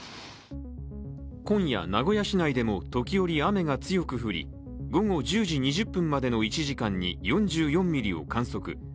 今夜、名古屋市内でも時折雨が強く降り午後１０時２０分までの１時間に４４ミリを観測。